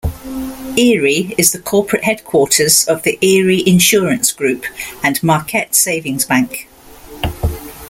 Erie is the corporate headquarters of the Erie Insurance Group, and Marquette Savings Bank.